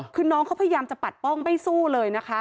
คือน้องเขาพยายามจะปัดป้องไม่สู้เลยนะคะ